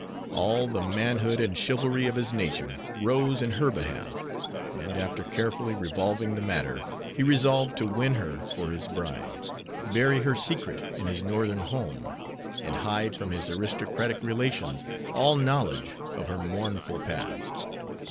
All the manhood and chivalry of his nature rose in her behalf, and, after carefully revolving the matter, he resolved to win her for his bride, bury her secret in his Northern home, and hide from his aristocratic relations all knowledge of her mournful past.